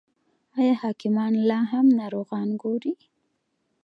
آیا حکیمان لا هم ناروغان ګوري؟